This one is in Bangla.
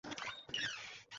যাক, ভালোয় ভালোউ শেষ হলো!